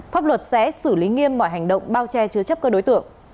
pháp luật sẽ xử lý nghiêm mọi hành động bao che chứa chấp các đối tượng